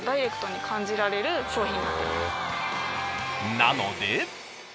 なので。